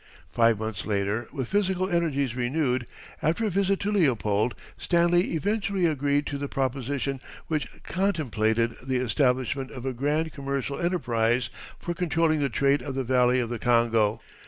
Five months later, with physical energies renewed, after a visit to Leopold, Stanley eventually agreed to the proposition which contemplated the establishment of a grand commercial enterprise for controlling the trade of the valley of the Congo.